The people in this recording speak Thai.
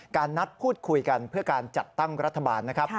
นัดพูดคุยกันเพื่อการจัดตั้งรัฐบาลนะครับ